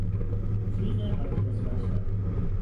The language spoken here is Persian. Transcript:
جیغ حاکی از وحشت